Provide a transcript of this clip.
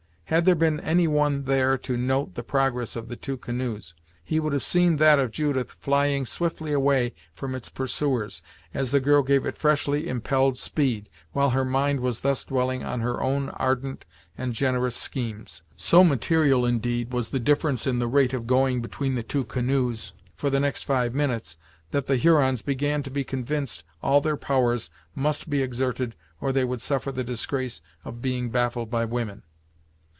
Had there been any one there to note the progress of the two canoes, he would have seen that of Judith flying swiftly away from its pursuers, as the girl gave it freshly impelled speed, while her mind was thus dwelling on her own ardent and generous schemes. So material, indeed, was the difference in the rate of going between the two canoes for the next five minutes, that the Hurons began to be convinced all their powers must be exerted or they would suffer the disgrace of being baffled by women.